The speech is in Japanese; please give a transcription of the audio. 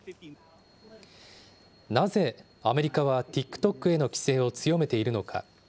なぜアメリカはＴｉｋＴｏｋへの規制を強めているのか。